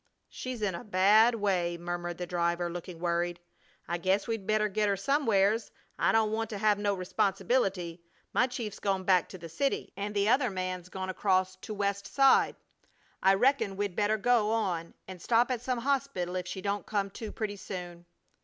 "She's in a bad way!" murmured the driver, looking worried. "I guess we'd better get her somewheres. I don't want to have no responsibility. My chief's gone back to the city, and the other man's gone across the to West Side. I reckon we'd better go on and stop at some hospital if she don't come to pretty soon."